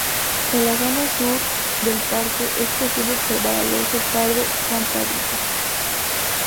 En la zona sur del parque es posible observar al oso pardo cantábrico.